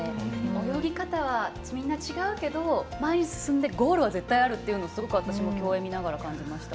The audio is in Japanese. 泳ぎ方はみんな違うけど前に進んでゴールが絶対あるというの競泳を見てすごく感じました。